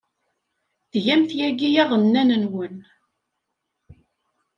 Tgamt yagi aɣanen-nwen?